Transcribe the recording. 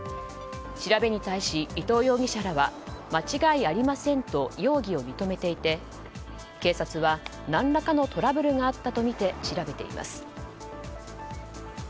調べに対し、伊東容疑者らは間違いありませんと容疑を認めていて警察は何らかのトラブルがあったとみて調べています。